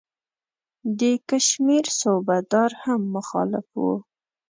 د کشمیر صوبه دار هم مخالف وو.